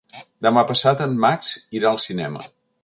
Demà passat en Max irà al cinema.